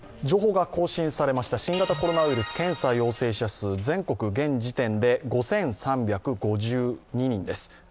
情報が更新されました、新型コロナウイルス検査陽性者数、全国現時点で５３５２人です。